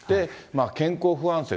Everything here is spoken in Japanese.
健康不安説。